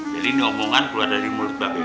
jadi ini omongan keluar dari mulut babe itu